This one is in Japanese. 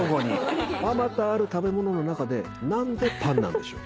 あまたある食べ物の中で何でパンなんでしょう？